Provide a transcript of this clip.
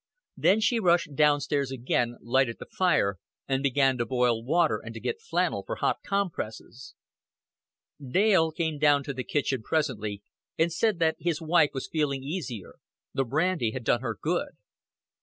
Then she rushed down stairs again, lighted the fire, and began to boil water and to get flannel for hot compresses. Dale came down to the kitchen presently, and said that his wife was feeling easier; the brandy had done her good.